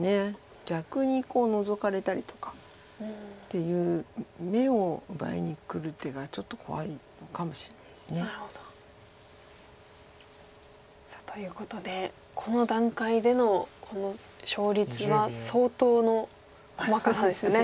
逆にノゾかれたりとか。っていう眼を奪いにくる手がちょっと怖いのかもしれないです。ということでこの段階でのこの勝率は相当の細かさですよね。